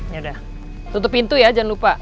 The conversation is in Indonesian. yaudah tutup pintu ya jangan lupa